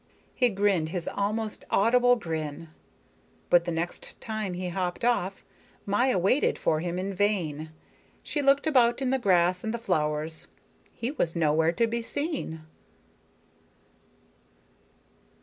He grinned his almost audible grin. But the next time he hopped off, Maya waited for him in vain. She looked about in the grass and the flowers; he was nowhere to be seen.